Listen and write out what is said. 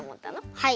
はい！